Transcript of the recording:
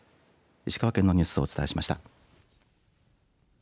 石川県のニュースをお伝えしました。